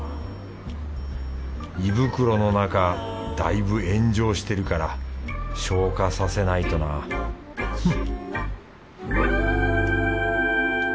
胃袋の中だいぶ炎上してるから消火させないとなフッ